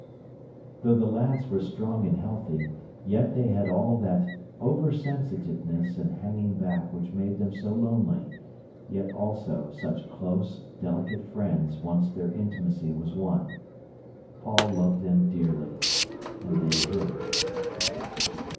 Though the lads were strong and healthy, yet they had all that over sensitiveness and hanging back which made them so lonely, yet also such close, delicate friends once their intimacy was won. Paul loved them dearly, and they him.